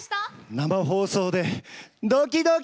生放送でドキドキ！